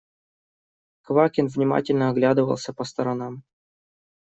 Квакин внимательно оглядывался по сторонам.